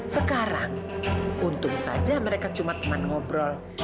sekarang untung saja mereka cuma teman ngobrol